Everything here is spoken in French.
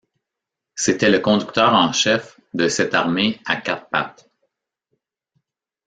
C’était le conducteur en chef de cette armée à quatre pattes.